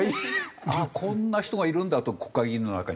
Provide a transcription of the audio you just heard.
あっこんな人がいるんだと国会議員の中に。